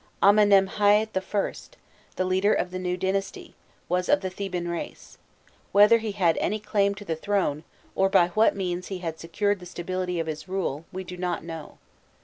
Amenemhâît I., the leader of the new dynasty, was of the Theban race; whether he had any claim to the throne, or by what means he had secured the stability of his rule, we do not know.